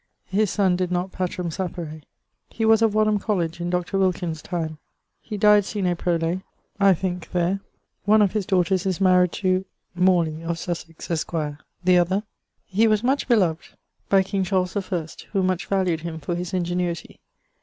His son did not patrem sapere. He was of Wadham College in Dr. Wilkins's time: he dyed sine prole, I thinke, there. One of his daughters is maried to ... Morley, of Sussex, esq.; the other.... He was much beloved by King Charles the First, who much valued him for his ingenuity.